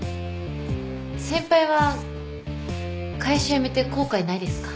先輩は会社辞めて後悔ないですか？